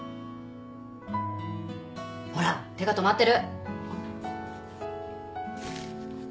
ほら手が止まってる。